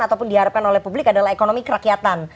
ataupun diharapkan oleh publik adalah ekonomi kerakyatan